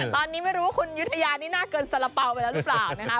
ตอนนี้ไม่รู้ว่าคุณยุธยานี่น่าเกินสารเป๋าไปแล้วหรือเปล่านะครับ